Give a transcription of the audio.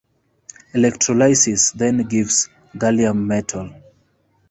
Electrolysis then gives gallium metal.